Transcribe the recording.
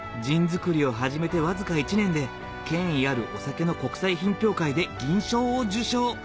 ジン造りを始めてわずか１年で権威あるお酒の国際品評会で銀賞を受賞